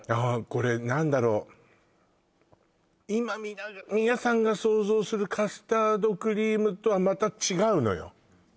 これ何だろう今皆さんが想像するカスタードクリームとはまた違うのよ